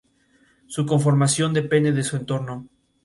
Su conformación depende de su entorno.